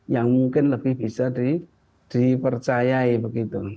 yang mungkin lebih bisa dipercayai begitu